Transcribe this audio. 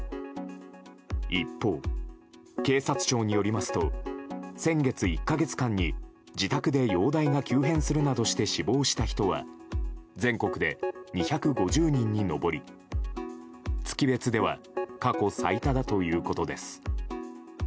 一方、警察庁によりますと先月１か月間に自宅で容体が急変するなどして死亡した人は全国で２５０人に上り月別では過去最多だということです。